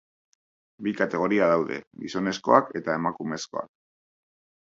Bi kategoria daude, gizonezkoak eta emakumezkoak.